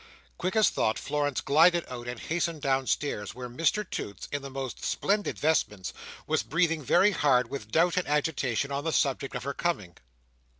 Quick as thought, Florence glided out and hastened downstairs, where Mr Toots, in the most splendid vestments, was breathing very hard with doubt and agitation on the subject of her coming.